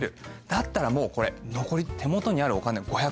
だったらもうこれ残り手元にあるお金５００円です。